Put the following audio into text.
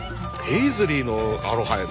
ペイズリーのアロハやで。